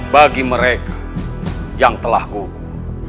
bagi mereka yang telah gugup